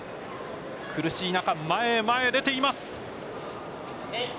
苦しい中、前へ出ています。